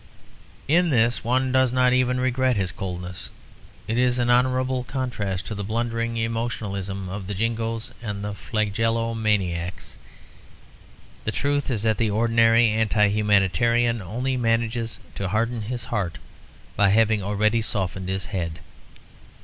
In this one does not even regret his coldness; it is an honourable contrast to the blundering emotionalism of the jingoes and flagellomaniacs. The truth is that the ordinary anti humanitarian only manages to harden his heart by having already softened his head.